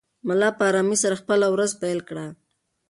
ملا په ارامۍ سره خپله ورځ پیل کړه.